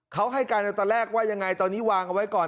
เขาให้การในตอนแรกว่ายังไงตอนนี้วางเอาไว้ก่อน